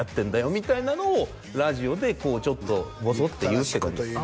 みたいなのをラジオでこうちょっとボソッて言うって感じです